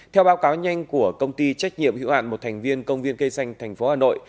theo báo cáo nhanh của công ty trách nhiệm hữu hạn một thành viên công viên cây xanh tp hà nội